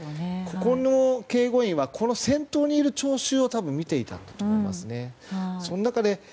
ここの警護員は先頭にいる聴衆を見ていたと思いますね。